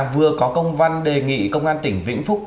vừa có công văn đề nghị công an tỉnh vĩnh phúc